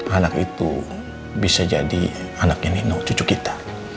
anak itu bisa jadi anaknya nino cucu kita